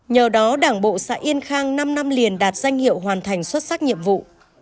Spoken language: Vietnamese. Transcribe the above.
nhờ đó đảng bộ xã yên khang năm năm liền đạt danh hiệu hoàn thành xuất sắc nhiệm vụ